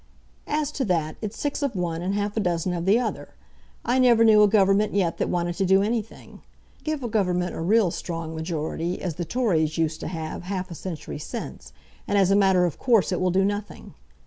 "As to that, it's six of one and half a dozen of the other. I never knew a government yet that wanted to do anything. Give a government a real strong majority, as the Tories used to have half a century since, and as a matter of course it will do nothing.